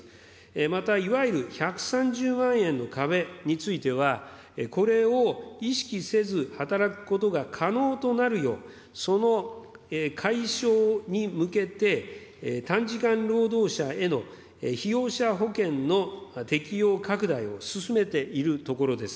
また、いわゆる１３０万円の壁については、これを意識せず、働くことが可能となるよう、その解消に向けて、短時間労働者への被用者保険の適用拡大を進めているところです。